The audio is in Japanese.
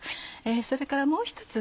それからもう１つ